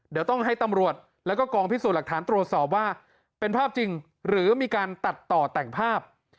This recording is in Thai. เดี๋ยวต้องให้ตำรวจแล้วก็กองพิสูจน์หลักฐานตรวจสอบว่าเป็นภาพจริงหรือมีการตัดต่อแต่งภาพ